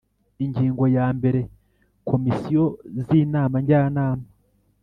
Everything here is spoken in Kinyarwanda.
Ingingo ya mbere Komisiyo z Inama Njyanama